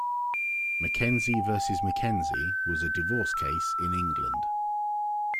"McKenzie versus McKenzie" was a divorce case in England.